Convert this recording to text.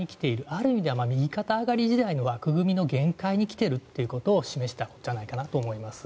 ある意味では右肩上がり時代の枠組みの限界に来ているということを示したんじゃないかなと思います。